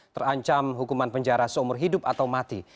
terancam hukuman penjara seumur hidup atau mati